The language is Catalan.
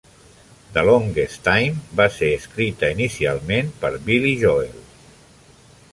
The Longest Time va ser escrita inicialment per Billy Joel.